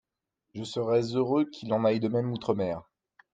Je serais heureux qu’il en aille de même outre-mer.